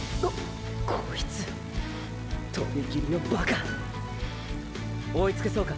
こいつ飛び切りのバカ追いつけそうか？